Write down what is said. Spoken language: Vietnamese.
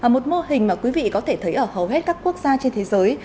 một mô hình mà quý vị có thể thấy ở hầu hết các quốc gia trên thế giới